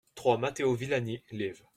trois Matteo Villani, liv.